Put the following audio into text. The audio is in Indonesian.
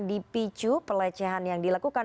di piciu pelecehan yang dilakukan